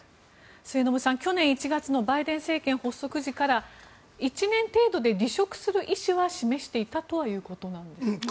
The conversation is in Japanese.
末延さん、去年１月のバイデン政権発足時から１年程度で離職する意思は示していたということですね。